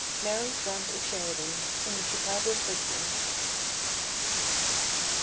—Mary Grant O'Sheridan, in the Chicago Tribune.